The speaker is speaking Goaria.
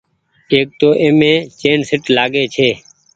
ايڪ تو ايم چيئن شيٽ لآگي ڇي۔